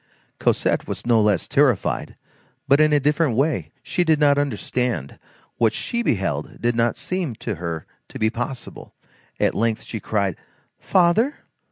Cosette was no less terrified, but in a different way. She did not understand; what she beheld did not seem to her to be possible; at length she cried:— "Father!